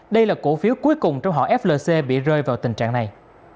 đây là cổ phiếu cuối cùng trong họ flc bị rơi vào tình trạng này